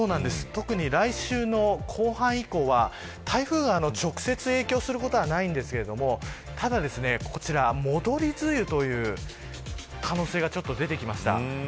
特に来週の後半以降は台風が直接影響することはないんですがただ、こちら戻り梅雨という可能性がちょっと出てきました。